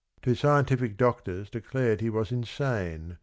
"5 Two scientific doctors declared he was insane.